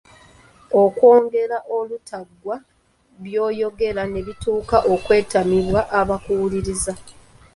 Okwogera olutaggwa byoyogera ne bituuka okwetamibwa abakuwuliriza.